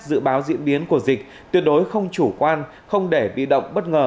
dự báo diễn biến của dịch tuyệt đối không chủ quan không để bị động bất ngờ